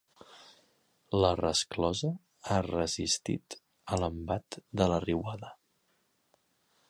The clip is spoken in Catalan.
La resclosa ha resistit a l'embat de la riuada.